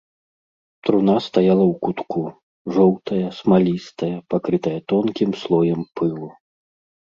Труна стаяла ў кутку, жоўтая, смалістая, пакрытая тонкім слоем пылу.